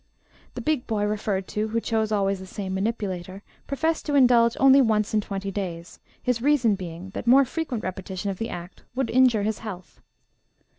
The big boy referred to, who chose always the same manipulator, professed to indulge only once in twenty days, his reason being that more frequent repetition of the act would injure his health.